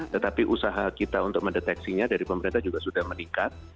tetapi usaha kita untuk mendeteksinya dari pemerintah juga sudah meningkat